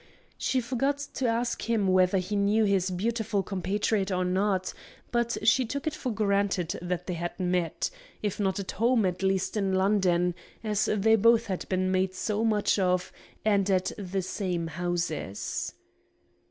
She forgot to ask him whether he knew his beautiful compatriot or not; but she took it for granted that they had met, if not at home, at least in London, as they had both been made so much of, and at the same houses.